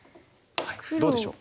どうでしょう？